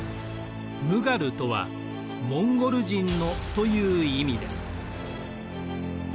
ムガルとは「モンゴル人の」という意味です。